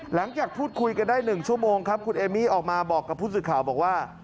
หลังจากพูดคุยกันได้๑ชั่วโมงครับคุณเอมี่ออกมาบอกกับผู้สื่อข่าวบอกว่า